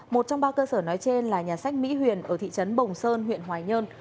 một trong ba cơ sở nói trên là nhà sách mỹ huyền ở thị trấn bồng sơn huyện hoài nhơn